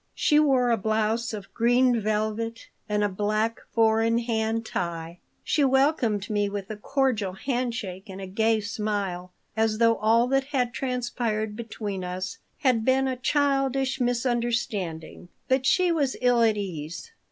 She wore a blouse of green velvet and a black four in hand tie. She welcomed me with a cordial handshake and a gay smile, as though all that had transpired between us had been a childish misunderstanding, but she was ill at ease.